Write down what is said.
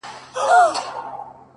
تا ويل له سره ماله تېره يم خو،